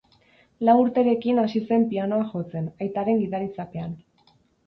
Lau urterekin hasi zen pianoa jotzen, aitaren gidaritzapean.